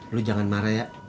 lu jangan marah ya